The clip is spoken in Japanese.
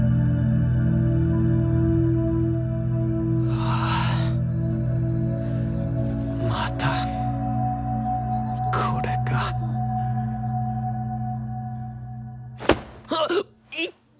ああまたこれかはっいっ！